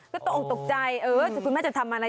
ก็ตกออกตกใจเออคุณแม่จะทำอะไร